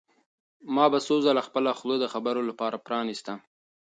ما به څو ځله خپله خوله د خبرو لپاره پرانیسته.